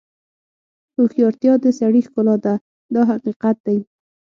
هوښیارتیا د سړي ښکلا ده دا حقیقت دی.